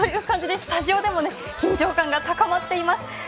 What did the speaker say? スタジオでも緊張感が高まっています。